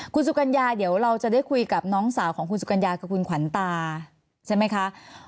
คุณสุกัญญาเดี๋ยวเราจะได้คุยกับน้องสาวของคุณสุกัญญาคือคุณขวัญตาใช่ไหมคะ